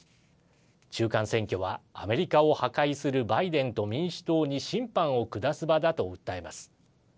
中間選挙はアメリカを破壊するバイデンと民主党に審判を下す場だと訴えます。